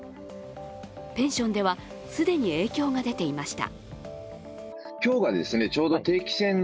ペンションでは既に影響が出ていました。